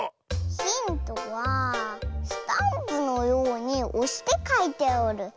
ヒントはスタンプのようにおしてかいておる。